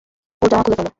ওর জামা খুলে ফেলো!